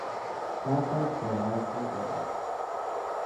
ترس از چهرهاش میبارید.